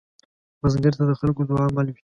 بزګر ته د خلکو دعاء مل وي